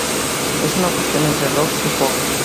Es una fusión entre "rock" y pop.